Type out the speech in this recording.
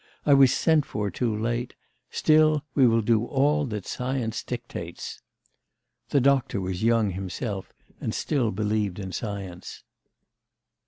I was sent for too late; still we will do all that science dictates.' The doctor was young himself, and still believed in science.